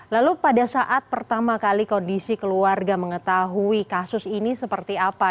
lalu pada saat pertama kali kondisi keluarga mengetahui kasus ini seperti apa